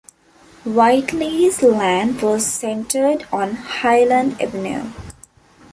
Whitley's land was centered on Highland Avenue.